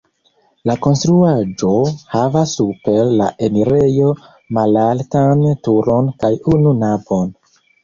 La konstruaĵo havas super la enirejo malaltan turon kaj unu navon.